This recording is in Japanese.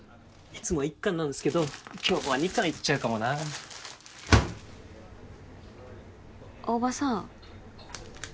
いつも１缶なんですけど今日は２缶いっちゃうかもな大庭さん